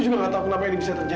tidurlah kafa anakku sayang